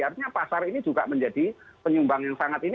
artinya pasar ini juga menjadi penyumbang yang sangat ini